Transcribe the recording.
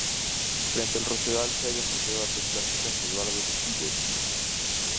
Frente al Rosedal se halla el Museo de Artes Plásticas Eduardo Sívori.